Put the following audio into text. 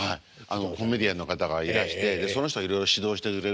コメディアンの方がいらしてその人がいろいろ指導してくれるんですけども。